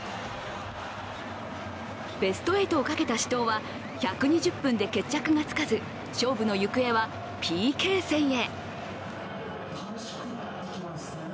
ベスト８をかけた死闘は１２０分で決着がつかず勝負の行方はＰＫ戦へ。